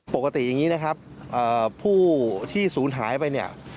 ปกติอย่างนี้นะครับผู้ที่ศูนย์หายไปเนี่ย